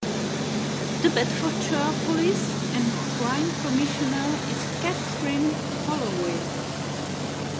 The Bedfordshire Police and Crime Commissioner is Kathryn Holloway.